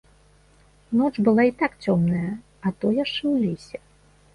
Ноч была і так цёмная, а то яшчэ ў лесе.